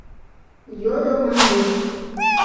— йодо мандур.